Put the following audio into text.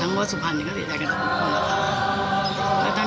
ทั้งว่าสุพรรณก็เสียใจกันทั้งทุกคน